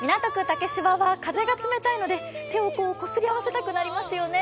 竹芝は風が冷たいので手をこすり合わせたくなりますよね。